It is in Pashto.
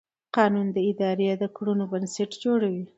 قانون د اداري کړنو بنسټ جوړوي.